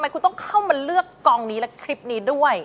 คุณต้องเข้ามาเลือกกองนี้และคลิปนี้ด้วย